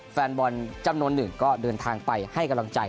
แฟนบอลจำนวนหนึ่งก็เดินทางไปให้กำลังใจ